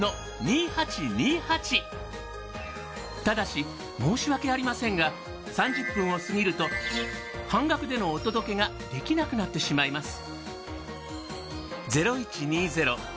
ただし申し訳ありませんが３０分を過ぎると半額でのお届けができなくなってしまいます。